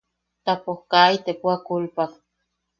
Tapos kaa itepo a kulpak.